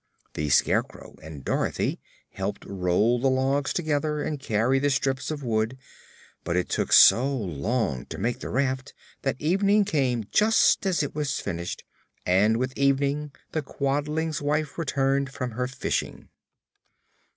The Scarecrow and Dorothy helped roll the logs together and carry the strips of wood, but it took so long to make the raft that evening came just as it was finished, and with evening the Quadling's wife returned from her fishing.